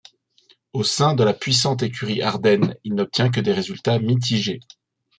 Au sein de la puissante écurie Arden, il n'obtient que des résultats mitigés.